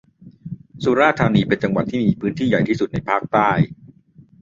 สุราษฏร์ธานีเป็นจังหวัดที่มีพื้นที่ใหญ่ที่สุดในภาคใต้